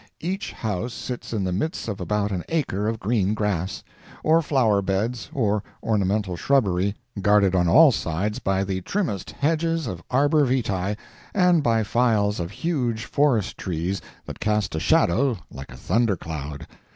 Each house sits in the midst of about an acre of green grass, or flower beds or ornamental shrubbery, guarded on all sides by the trimmest hedges of arbor vitae, and by files of huge forest trees that cast a shadow like a thunder cloud.